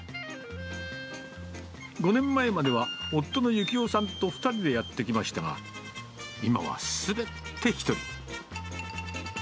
５年前までは、夫のゆきおさんと２人でやってきましたが、今はすべて１人。